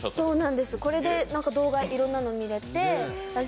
これで動画、いろんなの見れて。